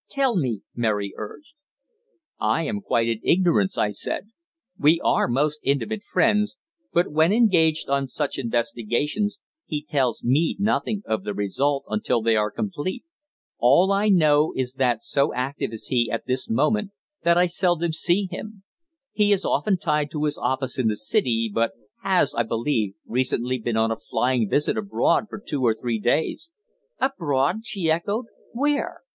Tell me," Mary urged. "I am quite in ignorance," I said. "We are most intimate friends, but when engaged on such investigations he tells me nothing of their result until they are complete. All I know is that so active is he at this moment that I seldom see him. He is often tied to his office in the City, but has, I believe, recently been on a flying visit abroad for two or three days." "Abroad!" she echoed. "Where?"